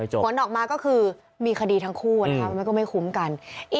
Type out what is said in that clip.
ผลออกมาก็คือมีคดีทั้งคู่นะคะมันก็ไม่คุ้มกัน